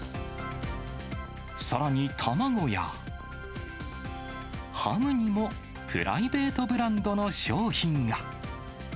さらに卵や、ハムにもプライベートブランドの商品が。